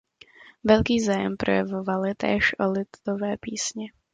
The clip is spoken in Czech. Velký zájem projevovali též o lidové písně.